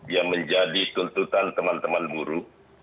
yang menjadi tuntutan teman teman buruh